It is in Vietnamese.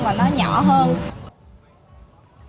và nó nhỏ hơn